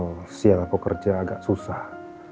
aku juga mikir kalo siang aku kerja agak susah